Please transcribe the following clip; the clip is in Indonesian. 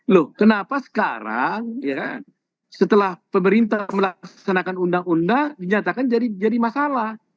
loh kenapa sekarang ya setelah pemerintah melaksanakan undang undang dinyatakan jadi masalah